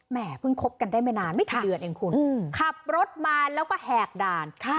แหมเพิ่งคบกันได้ไม่นานไม่เขียนทีเดือนเองคุณขับรถมาแล้วก็แหด่านบ้างนะคะ